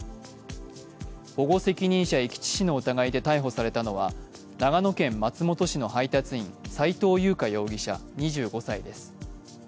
保護責任者遺棄致死の疑いで逮捕されたのは、長野県松本市の配達員、斉藤優花容疑者２５歳です。